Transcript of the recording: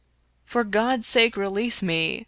" For God's sake, release me !